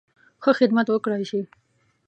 ښه خدمت وکړای شي.